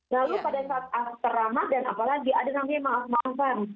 lalu pada saat after ramadhan apalagi ada yang namanya maaf maafan